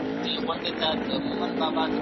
نظري ټولنپوهنه د ټولنیزو حقایقو پلټنه کوي.